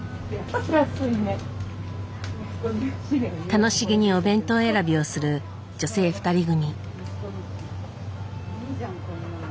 楽しげにお弁当選びをする女性２人組。